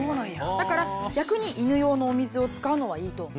だから逆に犬用のお水を使うのはいいと。